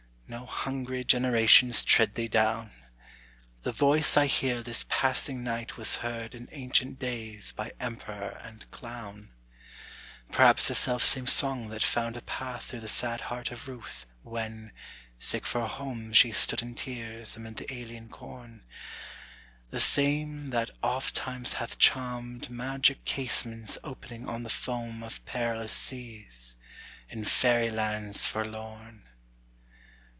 No hungry generations tread thee down; The voice I hear this passing night was heard In ancient days by emperor and clown: Perhaps the self same song that found a path Through the sad heart of Ruth, when, sick for home, She stood in tears amid the alien corn; The same that oft times hath Charmed magic casements opening on the foam Of perilous seas, in faery lands forlorn.